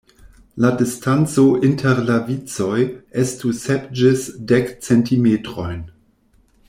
La distanco inter la vicoj estu sep ĝis dek centimetrojn.